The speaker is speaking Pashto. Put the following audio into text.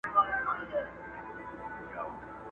له قسمت سره په جنګ یم، پر آسمان غزل لیکمه٫